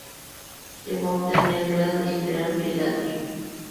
Llegó a obtener el grado de general brigadier.